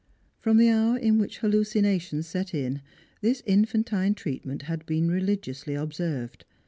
From the hour in which hallucination set in, this infantine treatment had been religiously observed.